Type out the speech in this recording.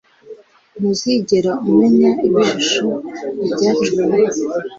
Ntuzigera umenya ibishusho Ibyacu kuba